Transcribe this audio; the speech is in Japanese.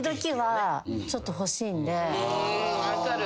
分かる。